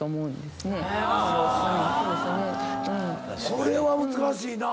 これは難しいなぁ。